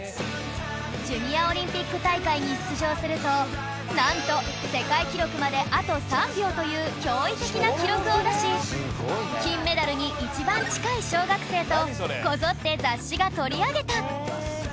ジュニアオリンピック大会に出場するとなんと世界記録まであと３秒という驚異的な記録を出し金メダルに一番近い小学生とこぞって雑誌が取り上げた！